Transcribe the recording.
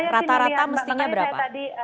rata rata mestinya berapa